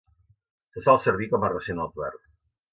Se sol servir com a ració en els bars.